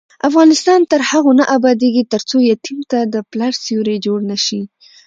افغانستان تر هغو نه ابادیږي، ترڅو یتیم ته د پلار سیوری جوړ نشي.